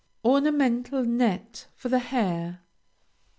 ORNAMENTAL NET FOR THE HAIR.